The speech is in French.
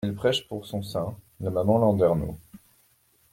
Elle prêche pour son saint, la maman Landernau.